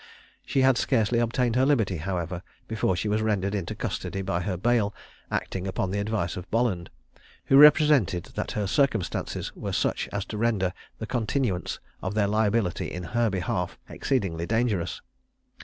She had scarcely obtained her liberty, however, before she was rendered into custody by her bail, acting upon the advice of Bolland, who represented that her circumstances were such as to render the continuance of their liability in her behalf exceedingly dangerous.